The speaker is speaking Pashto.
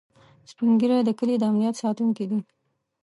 سپین ږیری د کلي د امنيت ساتونکي دي